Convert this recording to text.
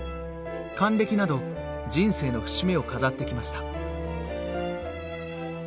還暦など人生の節目を飾ってきました。